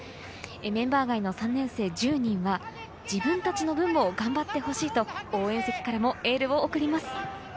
メンバー外の３年生１０人は自分たちの分も頑張ってほしいと応援席からもエールを送ります。